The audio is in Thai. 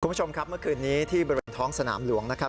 คุณผู้ชมครับเมื่อคืนนี้ที่บริเวณท้องสนามหลวงนะครับ